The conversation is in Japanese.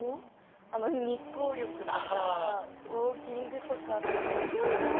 あの日光浴とかウォーキングとかすごいなって。